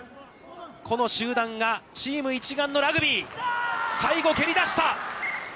この集団がチーム一丸のラグビー、最後蹴り出した。